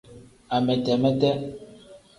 Amete-mete.